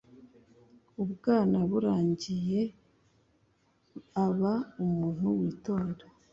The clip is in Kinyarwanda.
ubwana burangiye aba umuntu witonda